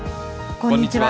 こんにちは。